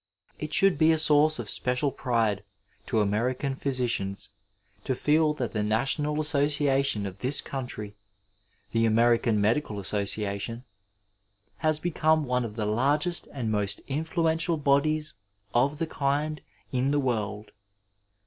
It should be a source of special pride to American physicians to feel that the national association of this country — ^the American Medical Association — ^has become one of the largest and most iniSuential bodies of the kind in the world.